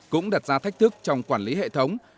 cũng đặt ra thách thức trong quản lý hệ thống